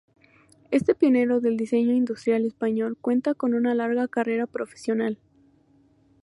Este pionero del diseño industrial español cuenta con una larga carrera profesional.